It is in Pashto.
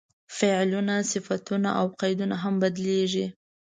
فعلونه، صفتونه او قیدونه هم بدلېږي.